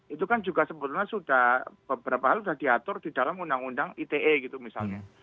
itu kan juga sebetulnya sudah beberapa hal sudah diatur di dalam undang undang ite gitu misalnya